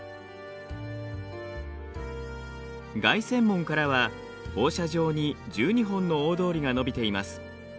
凱旋門からは放射状に１２本の大通りが伸びています。